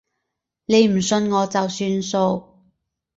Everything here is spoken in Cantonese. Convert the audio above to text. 你唔信我就算數